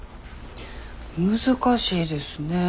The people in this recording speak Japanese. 難しいですね。